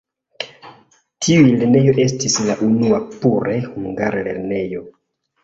Tiu lernejo estis la unua pure hungara lernejo.